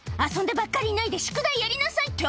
遊んでばっかりいないで宿題やりなさい」